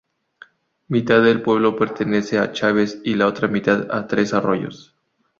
Mitad del pueblo pertenece a Chaves y la otra mitad a Tres Arroyos.